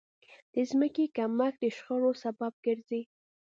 د ځمکې کمښت د شخړو سبب ګرځي.